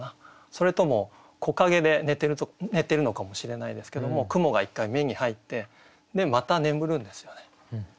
それとも木陰で寝てるのかもしれないですけども雲が一回目に入ってでまた眠るんですよね。